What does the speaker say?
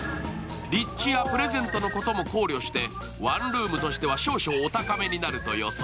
立地やプレゼントのことも考慮してワンルームとしては少々お高めになると予想。